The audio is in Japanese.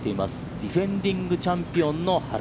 ディフェンディングチャンピオンの原。